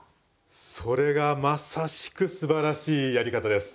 それがまさしくすばらしいやり方です。